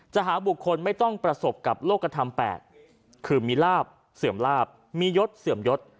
หาบุคคลไม่ต้องประสบกับโลกกระทำ๘คือมีลาบเสื่อมลาบมียศเสื่อมยศ